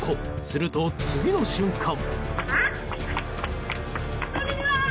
すると次の瞬間。